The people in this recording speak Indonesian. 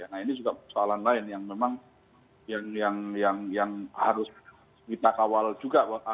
nah ini juga persoalan lain yang memang yang harus kita kawal juga